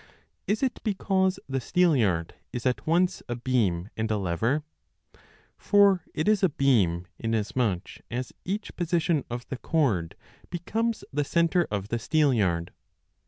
Is it because the steelyard is at once a beam and a lever ? For it is a beam, inasmuch as each position 30 of the cord becomes the centre of the steelyard.